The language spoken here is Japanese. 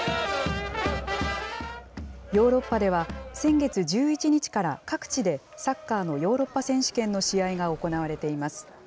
ヨーロッパでは、先月１１日から各地でサッカーのヨーロッパ選手権の試合が行われています。